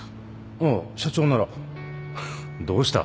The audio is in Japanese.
ああ社長ならどうした？